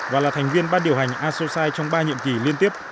và là thành viên ban điều hành asosai trong ba nhiệm kỳ liên tiếp